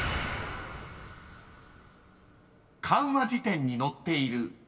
［漢和辞典に載っている］